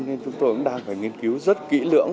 nên chúng tôi cũng đang phải nghiên cứu rất kỹ lưỡng